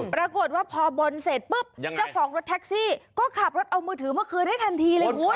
ปรากฏว่าพอบนเสร็จปุ๊บเจ้าของรถแท็กซี่ก็ขับรถเอามือถือมาคืนให้ทันทีเลยคุณ